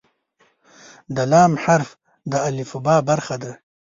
د "ل" حرف د الفبا برخه ده.